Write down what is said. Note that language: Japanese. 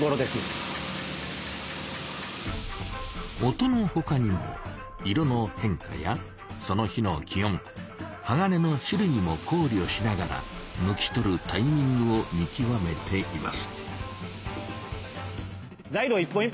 音のほかにも色の変化やその日の気温鋼の種類もこうりょしながら抜き取るタイミングを見極めています。